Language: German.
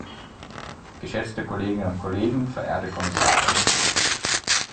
Geschätzte Kolleginnen und Kollegen, verehrte Kommissarin!